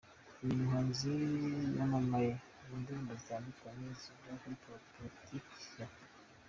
Uyu muhanzi yamamaye mu ndirimbo zitandukanye zivuga kuri politiki ya Afurika.